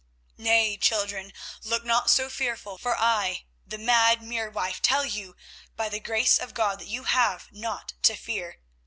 "Nay, children, look not so fearful, for I, the mad mere wife, tell you, by the Grace of God, that you have naught to fear.